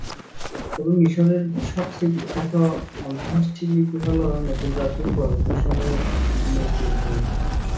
তবে মিশরের সবচেয়ে বিখ্যাত অন্ত্যেষ্টি লিপি হল নতুন রাজ্য ও পরবর্তী সময়ের মৃতের বই।